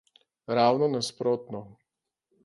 Ravno nasprotno.